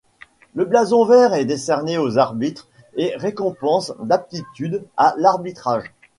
Le blason vert est décerné aux arbitres et récompense l'aptitude à l'arbitrage.